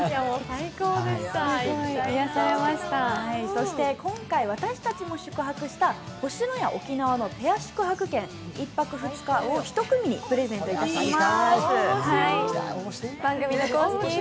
そして今回私たちも宿泊した星のや沖縄のペア宿泊券１泊２日を１組にプレゼントします。